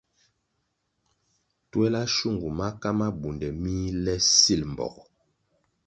Twela shungu maka mabunde mih le sil mbpogo.